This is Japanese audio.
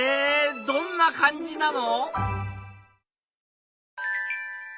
どんな感じなの？